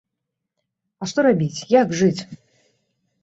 А што рабіць, як жыць?